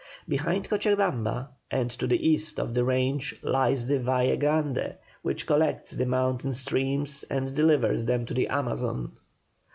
Behind Cochabamba and to the east of the range lies the Valle Grande, which collects the mountain streams and delivers them to the Amazon.